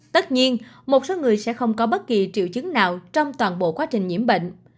tất nhiên một số người sẽ không có bất kỳ triệu chứng nào trong toàn bộ quá trình nhiễm bệnh